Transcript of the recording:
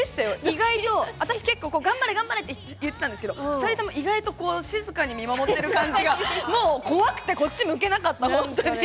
意外と私結構こう「頑張れ頑張れ」って言ってたんですけど２人とも意外とこう静かに見守ってる感じがもう怖くてこっち向けなかったほんとに。